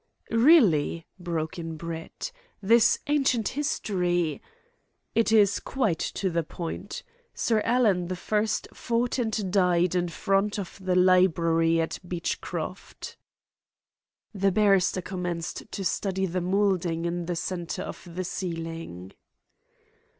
"Really," broke in Brett, "this ancient history " "Is quite to the point. Sir Alan the first fought and died in front of the library at Beechcroft." The barrister commenced to study the moulding in the centre of the ceiling.